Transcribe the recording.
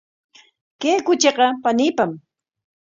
Kay kuchiqa paniipam.